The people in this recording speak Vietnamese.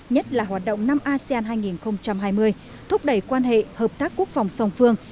nhất là hoạt động năm asean hai nghìn hai mươi thúc đẩy quan hệ hợp tác quốc phòng song phương